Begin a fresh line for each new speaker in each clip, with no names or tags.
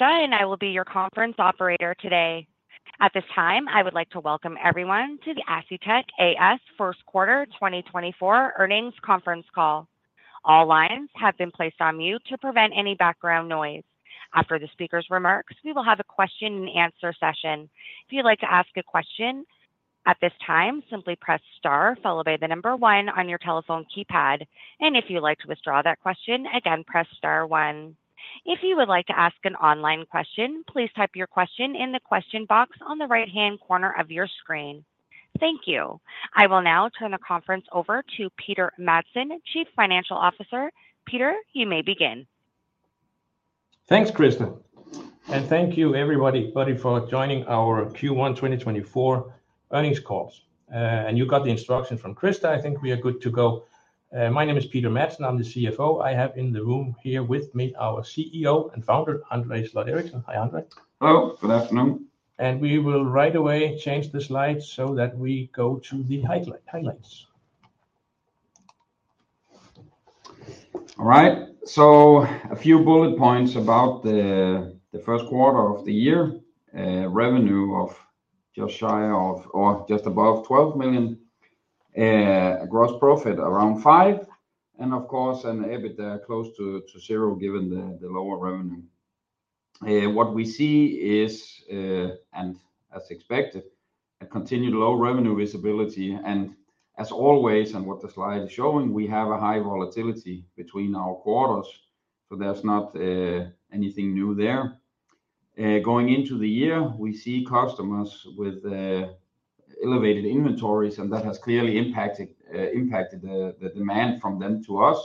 I will be your conference operator today. At this time, I would like to welcome everyone to the Asetek A/S first quarter 2024 earnings conference call. All lines have been placed on mute to prevent any background noise. After the speaker's remarks, we will have a question-and-answer session. If you'd like to ask a question at this time, simply press star followed by the number 1 on your telephone keypad, and if you'd like to withdraw that question, again, press star 1. If you would like to ask an online question, please type your question in the question box on the right-hand corner of your screen. Thank you. I will now turn the conference over to Peter Dam Madsen, Chief Financial Officer. Peter, you may begin.
Thanks, Krista. And thank you, everybody, for joining our Q1 2024 earnings calls. You got the instructions from Krista. I think we are good to go. My name is Peter Madsen. I'm the CFO. I have in the room here with me our CEO and founder, André Sloth Eriksen. Hi, André.
Hello. Good afternoon.
We will right away change the slides so that we go to the highlights.
All right. So a few bullet points about the first quarter of the year. Revenue of just shy of or just above $12 million. Gross profit around $5 million. And of course, an EBITDA close to 0 given the lower revenue. What we see is, and as expected, a continued low revenue visibility. And as always, and what the slide is showing, we have a high volatility between our quarters. So there's not anything new there. Going into the year, we see customers with elevated inventories, and that has clearly impacted the demand from them to us,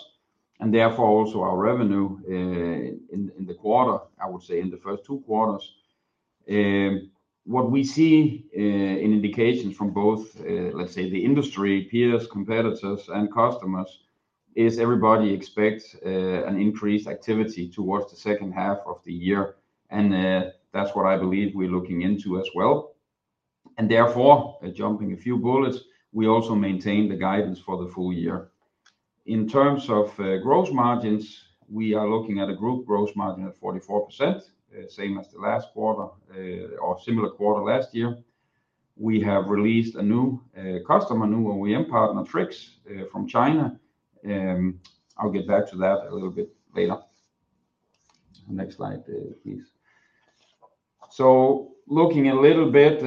and therefore also our revenue in the quarter, I would say, in the first two quarters. What we see in indications from both, let's say, the industry, peers, competitors, and customers is everybody expects an increased activity towards the second half of the year. And, that's what I believe we're looking into as well. And therefore, jumping a few bullets, we also maintain the guidance for the full year. In terms of gross margins, we are looking at a group gross margin at 44%, same as the last quarter, or similar quarter last year. We have released a new customer, new OEM partner, TRYX, from China. I'll get back to that a little bit later. Next slide, please. So looking a little bit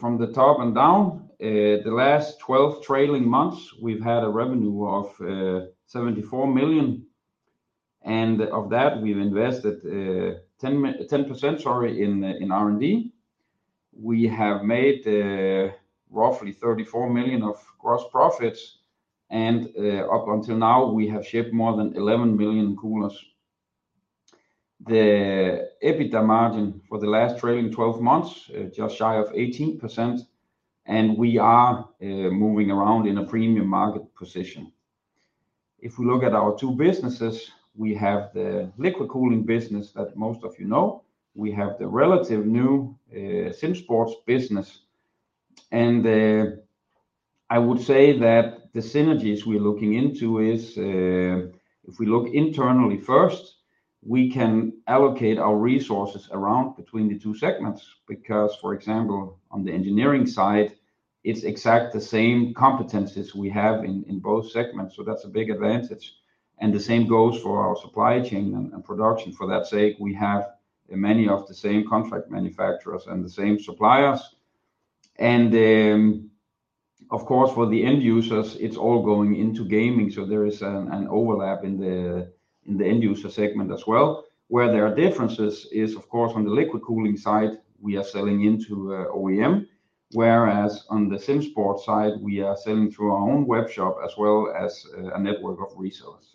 from the top and down, the last 12 trailing months, we've had a revenue of $74 million. And of that, we've invested 10%, sorry, in R&D. We have made roughly $34 million of gross profits. And up until now, we have shipped more than 11 million coolers. The EBITDA margin for the last trailing 12 months, just shy of 18%. We are moving around in a premium market position. If we look at our two businesses, we have the liquid cooling business that most of you know. We have the relatively new SimSports business. I would say that the synergies we're looking into is, if we look internally first, we can allocate our resources around between the two segments because, for example, on the engineering side, it's exactly the same competencies we have in both segments. So that's a big advantage. The same goes for our supply chain and production. For that sake, we have many of the same contract manufacturers and the same suppliers. Of course, for the end users, it's all going into gaming. So there is an overlap in the end user segment as well. Where there are differences is, of course, on the liquid cooling side, we are selling into OEM, whereas on the SimSports side, we are selling through our own webshop as well as a network of resellers.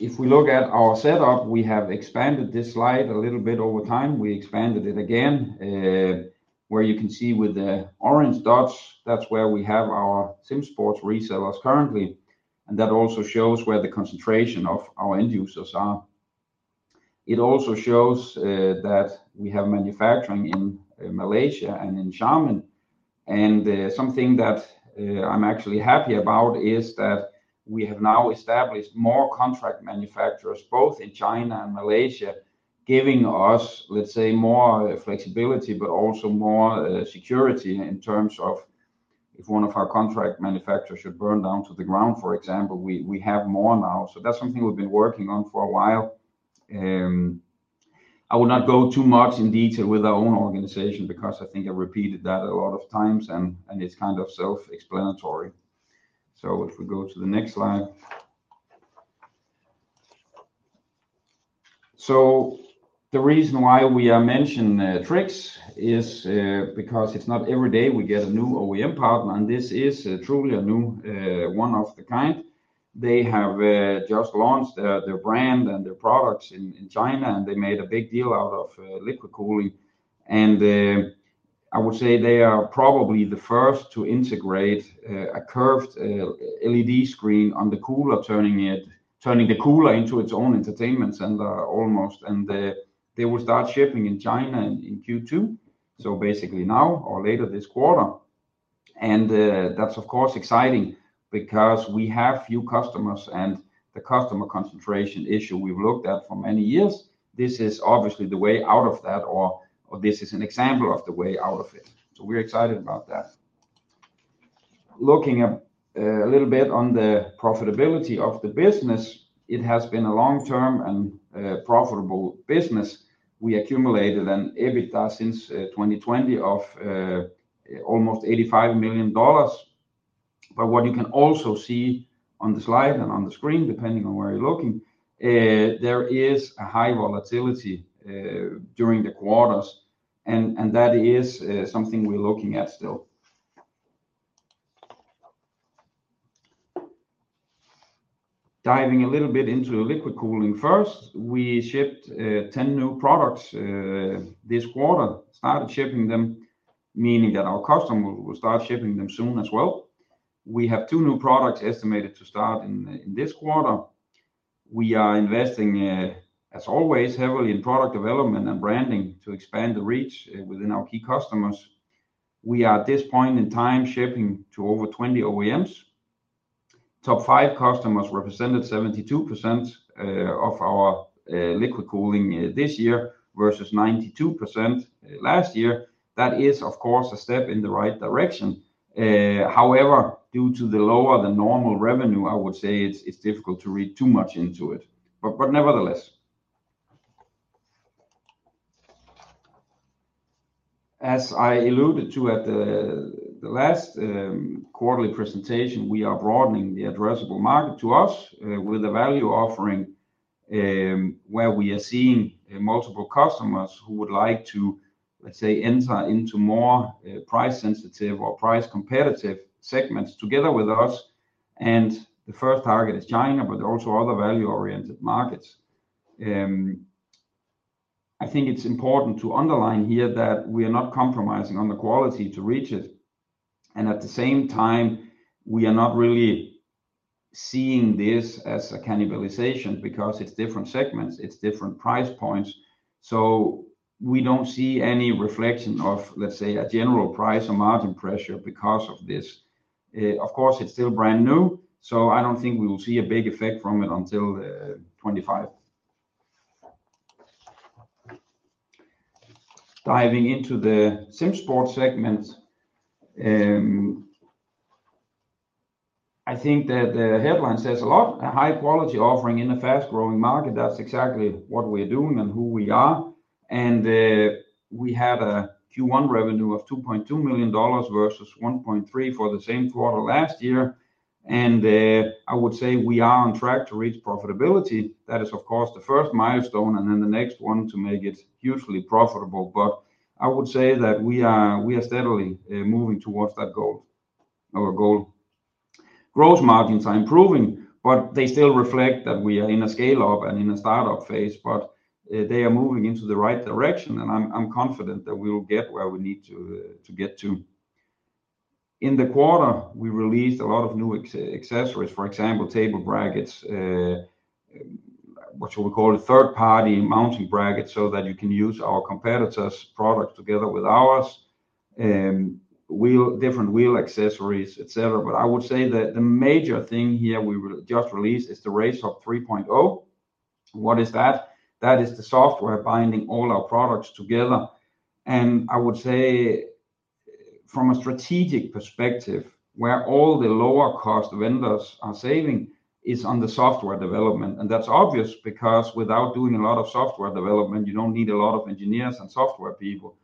If we look at our setup, we have expanded this slide a little bit over time. We expanded it again, where you can see with the orange dots, that's where we have our SimSports resellers currently. That also shows where the concentration of our end users are. It also shows that we have manufacturing in Malaysia and in China. Something that I'm actually happy about is that we have now established more contract manufacturers both in China and Malaysia, giving us, let's say, more flexibility but also more security in terms of if one of our contract manufacturers should burn down to the ground, for example, we have more now. That's something we've been working on for a while. I will not go too much in detail with our own organization because I think I repeated that a lot of times, and it's kind of self-explanatory. If we go to the next slide. The reason why we are mentioning TRYX is because it's not every day we get a new OEM partner, and this is truly a new one of the kind. They have just launched their brand and their products in China, and they made a big deal out of liquid cooling. And I would say they are probably the first to integrate a curved LED screen on the cooler, turning the cooler into its own entertainment center almost. And they will start shipping in China in Q2, so basically now or later this quarter. And that's, of course, exciting because we have few customers and the customer concentration issue we've looked at for many years. This is obviously the way out of that, or this is an example of the way out of it. So we're excited about that. Looking at a little bit on the profitability of the business, it has been a long-term and profitable business. We accumulated an EBITDA since 2020 of almost $85 million. But what you can also see on the slide and on the screen, depending on where you're looking, there is a high volatility during the quarters. And that is something we're looking at still. Diving a little bit into liquid cooling first, we shipped 10 new products this quarter, started shipping them, meaning that our customer will start shipping them soon as well. We have two new products estimated to start in this quarter. We are investing, as always, heavily in product development and branding to expand the reach within our key customers. We are at this point in time shipping to over 20 OEMs. Top five customers represented 72% of our liquid cooling this year versus 92% last year. That is, of course, a step in the right direction. However, due to the lower than normal revenue, I would say it's, it's difficult to read too much into it. But, but nevertheless. As I alluded to at the, the last, quarterly presentation, we are broadening the addressable market to us, with a value offering, where we are seeing, multiple customers who would like to, let's say, enter into more, price-sensitive or price-competitive segments together with us. And the first target is China, but also other value-oriented markets. I think it's important to underline here that we are not compromising on the quality to reach it. And at the same time, we are not really seeing this as a cannibalization because it's different segments, it's different price points. So we don't see any reflection of, let's say, a general price or margin pressure because of this. Of course, it's still brand new, so I don't think we will see a big effect from it until 2025. Diving into the SimSports segment. I think that the headline says a lot, a high-quality offering in a fast-growing market. That's exactly what we're doing and who we are. And we had a Q1 revenue of $2.2 million versus $1.3 million for the same quarter last year. And I would say we are on track to reach profitability. That is, of course, the first milestone and then the next one to make it hugely profitable. But I would say that we are steadily moving towards that goal, our goal. Gross margins are improving, but they still reflect that we are in a scale-up and in a startup phase. But, they are moving into the right direction, and I'm, I'm confident that we will get where we need to, to get to. In the quarter, we released a lot of new accessories, for example, table brackets, what shall we call it, third-party mounting brackets so that you can use our competitors' products together with ours. Wheel different wheel accessories, etc. But I would say that the major thing here we will just release is the RaceHub 3.0. What is that? That is the software binding all our products together. And I would say, from a strategic perspective, where all the lower-cost vendors are saving is on the software development. And that's obvious because without doing a lot of software development, you don't need a lot of engineers and software people.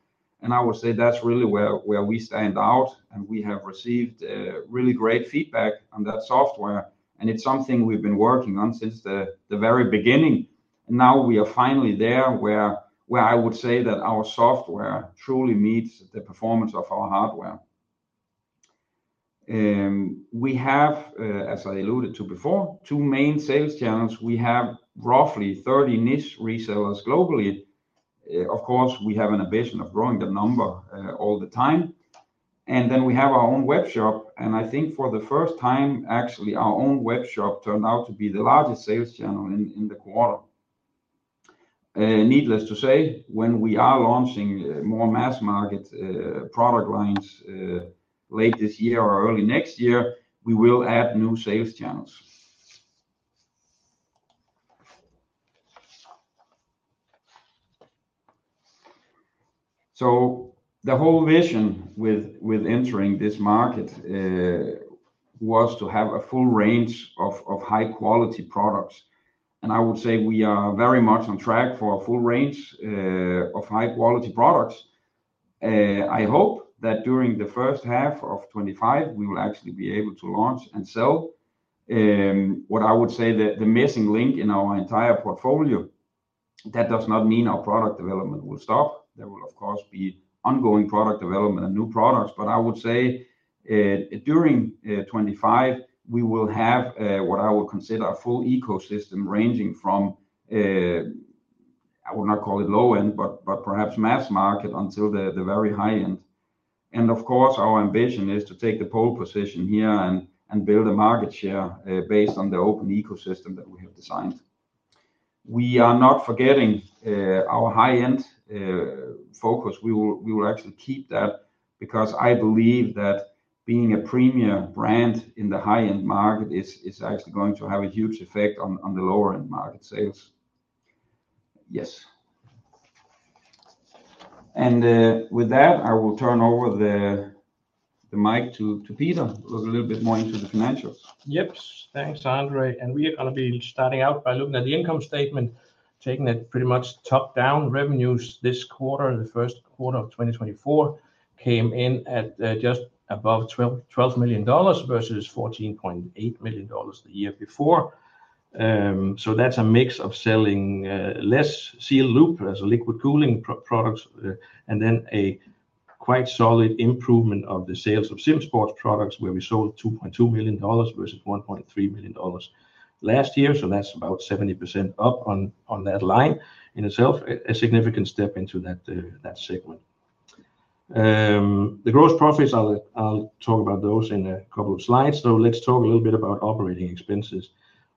And I would say that's really where, where we stand out. And we have received really great feedback on that software, and it's something we've been working on since the very beginning. And now we are finally there where I would say that our software truly meets the performance of our hardware. We have, as I alluded to before, two main sales channels. We have roughly 30 niche resellers globally. Of course, we have an ambition of growing that number all the time. And then we have our own webshop. And I think for the first time, actually, our own webshop turned out to be the largest sales channel in the quarter. Needless to say, when we are launching more mass-market product lines late this year or early next year, we will add new sales channels. So the whole vision with entering this market was to have a full range of high-quality products. I would say we are very much on track for a full range of high-quality products. I hope that during the first half of 2025, we will actually be able to launch and sell what I would say the missing link in our entire portfolio. That does not mean our product development will stop. There will, of course, be ongoing product development and new products. But I would say during 2025, we will have what I would consider a full ecosystem ranging from I would not call it low-end, but perhaps mass-market until the very high-end. And of course, our ambition is to take the pole position here and build a market share based on the open ecosystem that we have designed. We are not forgetting our high-end focus. We will actually keep that because I believe that being a premier brand in the high-end market is actually going to have a huge effect on the lower-end market sales. Yes. And with that, I will turn over the mic to Peter to look a little bit more into the financials. Yep. Thanks, André. And we are going to be starting out by looking at the income statement, taking it pretty much top-down. Revenues this quarter, the first quarter of 2024, came in at just above $12.12 million versus $14.8 million the year before. So that's a mix of selling less sealed loop as a liquid cooling product, and then a quite solid improvement of the sales of SimSports products where we sold $2.2 million versus $1.3 million last year. So that's about 70% up on that line in itself, a significant step into that segment. The gross profits, I'll talk about those in a couple of slides. So let's talk a little bit about operating expenses.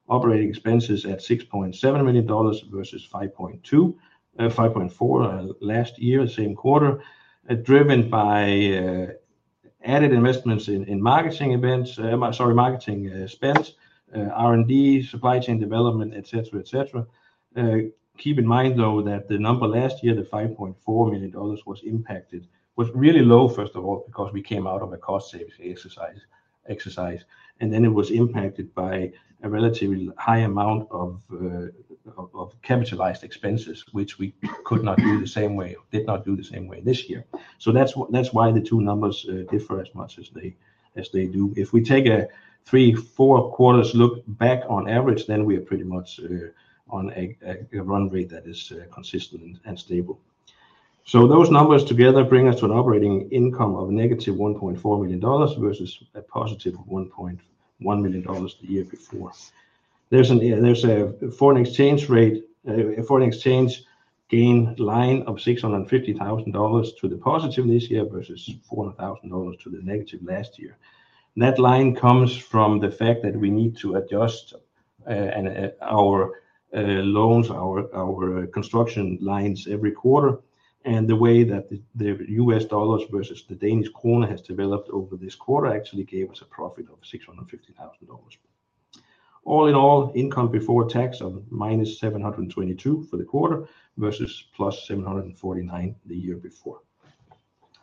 Operating expenses at $6.7 million versus $5.2, $5.4 last year, same quarter, driven by added investments in marketing spends, R&D, supply chain development, etc. Keep in mind, though, that the number last year, the $5.4 million, was impacted, was really low, first of all, because we came out of a cost-saving exercise, and then it was impacted by a relatively high amount of capitalized expenses, which we could not do the same way, did not do the same way this year. So that's why the two numbers differ as much as they do. If we take a 3-4 quarters look back on average, then we are pretty much on a run rate that is consistent and stable. So those numbers together bring us to an operating income of a negative $1.4 million versus a positive $1.1 million the year before. There's a foreign exchange gain line of $650,000 to the positive this year versus $400,000 to the negative last year. That line comes from the fact that we need to adjust our loans, our construction lines every quarter. And the way that the US dollars versus the Danish krone has developed over this quarter actually gave us a profit of $650,000. All in all, income before tax of minus $722 for the quarter versus plus $749 the year before.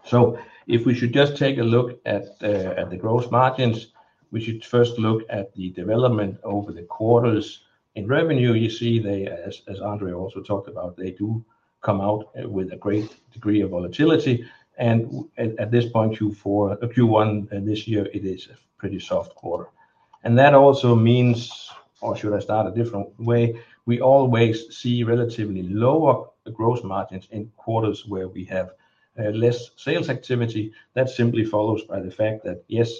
So if we should just take a look at the gross margins, we should first look at the development over the quarters in revenue. You see, as André also talked about, they do come out with a great degree of volatility. At this point, Q4, Q1 this year, it is a pretty soft quarter. That also means, or should I start a different way, we always see relatively lower gross margins in quarters where we have less sales activity. That simply follows by the fact that, yes,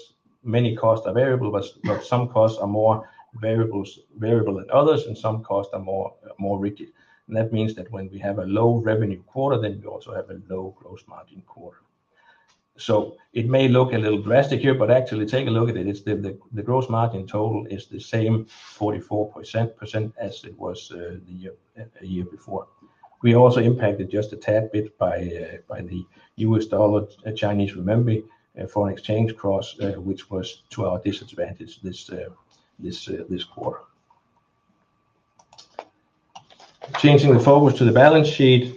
many costs are variable, but some costs are more variable than others, and some costs are more rigid. That means that when we have a low revenue quarter, then we also have a low gross margin quarter. So it may look a little drastic here, but actually, take a look at it. It's the gross margin total is the same 44% as it was the year before. We are also impacted just a tad bit by the US dollar, Chinese renminbi, foreign exchange cross, which was to our disadvantage this quarter. Changing the focus to the balance sheet.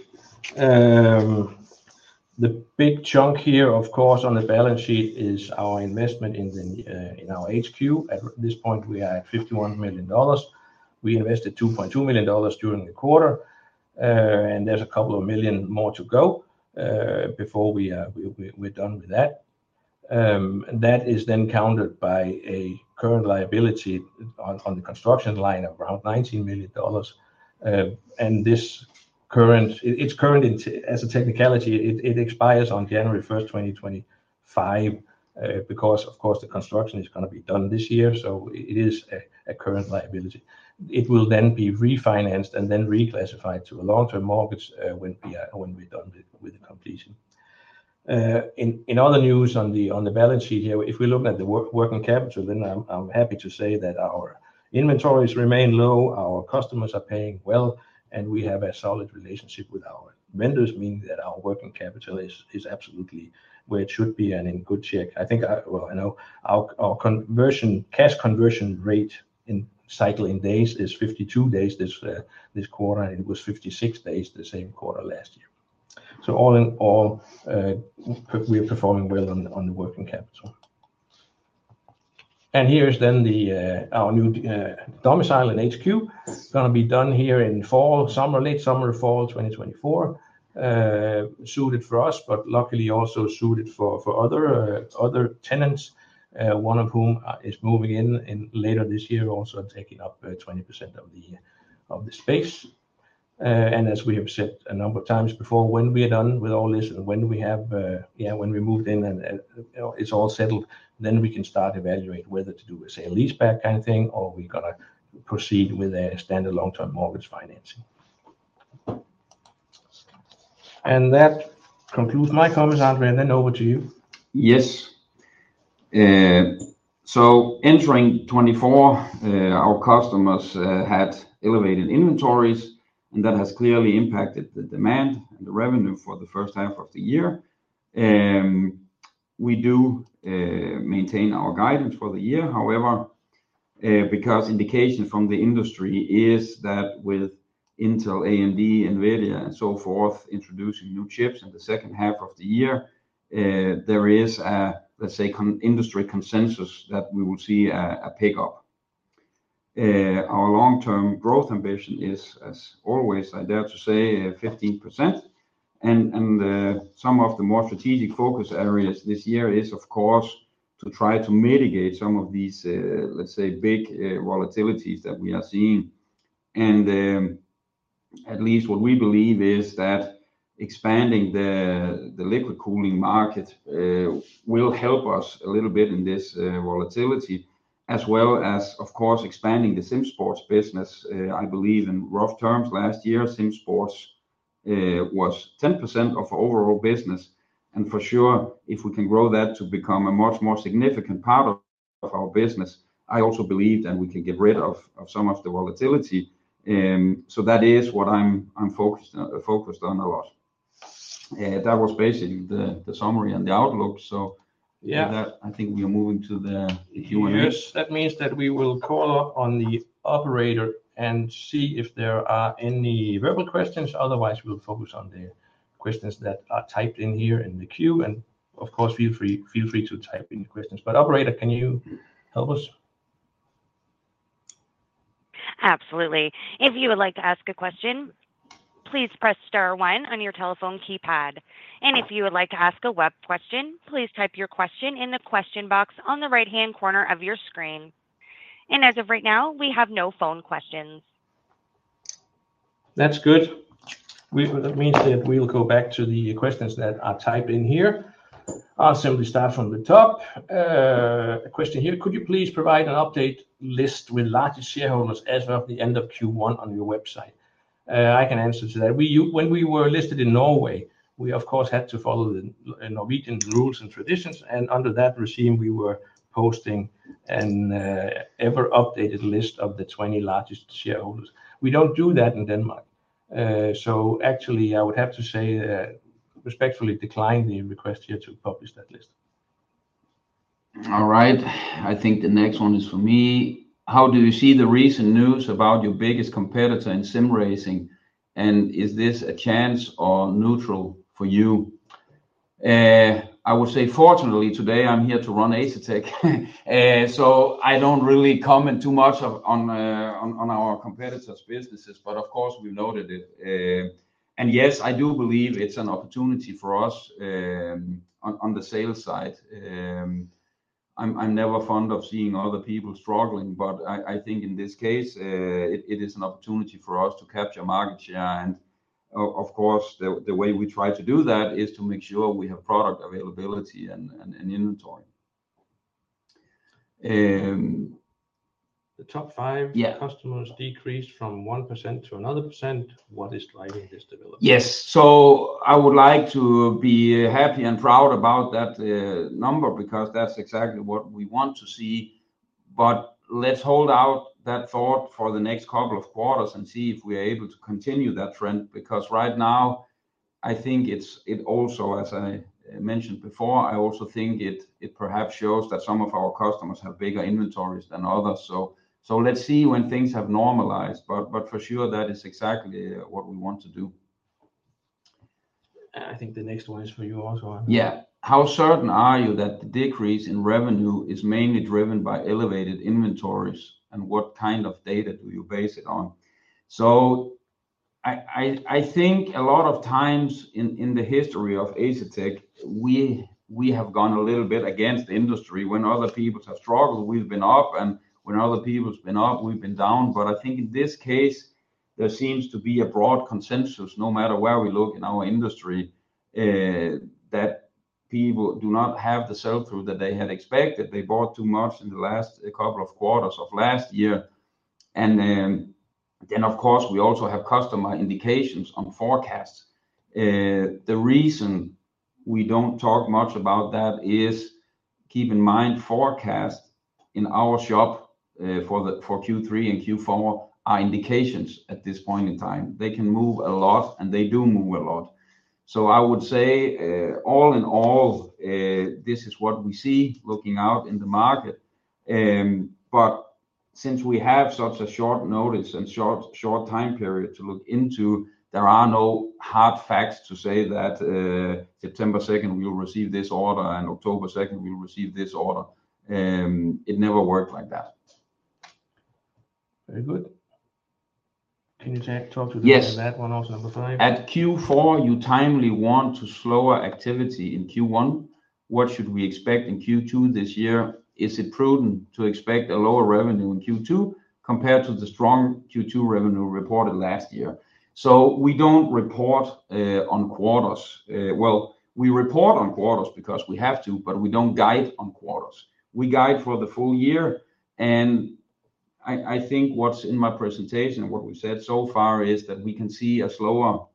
The big chunk here, of course, on the balance sheet is our investment in our HQ. At this point, we are at $51 million. We invested $2.2 million during the quarter. There's a couple of million more to go, before we're done with that. That is then countered by a current liability on the construction line of around $19 million. And this current, it's current as a technicality, it expires on January 1st, 2025, because, of course, the construction is going to be done this year. So it is a current liability. It will then be refinanced and then reclassified to a long-term mortgage, when we're done with the completion. In other news on the balance sheet here, if we look at the working capital, then I'm happy to say that our inventories remain low, our customers are paying well, and we have a solid relationship with our vendors, meaning that our working capital is absolutely where it should be and in good shape. I think, well, I know our conversion cash conversion rate in cycle in days is 52 days this quarter, and it was 56 days the same quarter last year. So all in all, we are performing well on the working capital. And here is then our new domicile in HQ going to be done here in late summer, fall 2024, suited for us, but luckily also suited for other tenants, one of whom is moving in later this year, also taking up 20% of the space. And as we have said a number of times before, when we are done with all this and when we have, yeah, when we moved in and it's all settled, then we can start evaluating whether to do a sale-leaseback kind of thing or we've got to proceed with a standard long-term mortgage financing. And that concludes my comments, André. And then over to you. Yes. So entering 2024, our customers had elevated inventories, and that has clearly impacted the demand and the revenue for the first half of the year. We do maintain our guidance for the year; however, because indication from the industry is that with Intel, AMD, NVIDIA, and so forth introducing new chips in the second half of the year, there is a, let's say, industry consensus that we will see a pickup. Our long-term growth ambition is, as always, I dare to say, 15%. And some of the more strategic focus areas this year is, of course, to try to mitigate some of these, let's say, big volatilities that we are seeing. And at least what we believe is that expanding the liquid cooling market will help us a little bit in this volatility, as well as, of course, expanding the SimSports business. I believe in rough terms, last year, SimSports was 10% of our overall business. And for sure, if we can grow that to become a much more significant part of our business, I also believe then we can get rid of some of the volatility. So that is what I'm focused on a lot. That was basically the summary and the outlook. So with that, I think we are moving to the Q&A.
Yes. That means that we will call up on the operator and see if there are any verbal questions. Otherwise, we'll focus on the questions that are typed in here in the queue. And of course, feel free to type any questions. But operator, can you help us?
Absolutely. If you would like to ask a question, please press star one on your telephone keypad. And if you would like to ask a web question, please type your question in the question box on the right-hand corner of your screen. As of right now, we have no phone questions.
That's good. Well, that means that we'll go back to the questions that are typed in here. I'll simply start from the top. A question here. Could you please provide an updated list of the largest shareholders as of the end of Q1 on your website? I can answer that. When we were listed in Norway, we, of course, had to follow the Norwegian rules and traditions. Under that regime, we were posting an ever-updated list of the 20 largest shareholders. We don't do that in Denmark. So actually, I would have to say, respectfully decline the request here to publish that list.
All right. I think the next one is for me. How do you see the recent news about your biggest competitor in sim racing? And is this a chance or neutral for you? I would say fortunately, today, I'm here to run Asetek. So I don't really comment too much on our competitors' businesses, but of course, we've noted it. And yes, I do believe it's an opportunity for us, on the sales side. I'm never fond of seeing other people struggling, but I think in this case, it is an opportunity for us to capture market share. And, of course, the way we try to do that is to make sure we have product availability and inventory.
The top five customers decreased from 1% to another %. What is driving this development?
Yes. So I would like to be happy and proud about that, number because that's exactly what we want to see. But let's hold out that thought for the next couple of quarters and see if we are able to continue that trend. Because right now, I think it's also, as I mentioned before, I also think it perhaps shows that some of our customers have bigger inventories than others. So let's see when things have normalized. But for sure, that is exactly what we want to do. I think the next one is for you also. Yeah. How certain are you that the decrease in revenue is mainly driven by elevated inventories, and what kind of data do you base it on? So I think a lot of times in the history of Asetek, we have gone a little bit against the industry. When other people have struggled, we've been up. And when other people's been up, we've been down. But I think in this case, there seems to be a broad consensus, no matter where we look in our industry, that people do not have the sell-through that they had expected. They bought too much in the last couple of quarters of last year. And, then, of course, we also have customer indications on forecasts. The reason we don't talk much about that is keep in mind forecasts in our shop, for the Q3 and Q4 are indications at this point in time. They can move a lot, and they do move a lot. So I would say, all in all, this is what we see looking out in the market. But since we have such a short notice and short, short time period to look into, there are no hard facts to say that, September 2nd, we'll receive this order, and October 2nd, we'll receive this order. It never worked like that. Very good. Can you talk to that one also, number five? At Q4, you timely warned to slower activity in Q1. What should we expect in Q2 this year? Is it prudent to expect a lower revenue in Q2 compared to the strong Q2 revenue reported last year? So we don't report on quarters. Well, we report on quarters because we have to, but we don't guide on quarters. We guide for the full year. And I think what's in my presentation and what we've said so far is that we can see a slower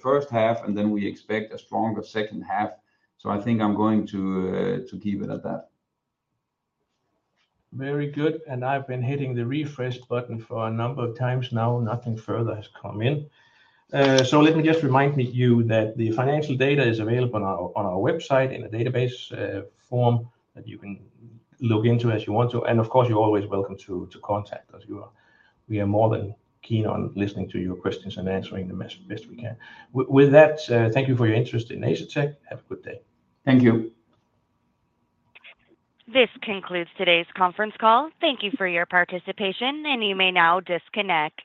first half, and then we expect a stronger second half. So I think I'm going to keep it at that.
Very good. And I've been hitting the refresh button for a number of times now. Nothing further has come in. So let me just remind you that the financial data is available on our website in a database form that you can look into as you want to. And of course, you're always welcome to contact us. We are more than keen on listening to your questions and answering the best we can. With that, thank you for your interest in Asetek. Have a good day.
Thank you.
This concludes today's conference call. Thank you for your participation, and you may now disconnect.